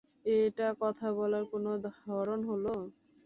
এটা কথা বলার কোনো ধরণ হলো?